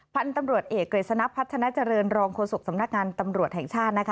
พันธุ์ตำรวจเอกกฤษณะพัฒนาเจริญรองโฆษกสำนักงานตำรวจแห่งชาตินะคะ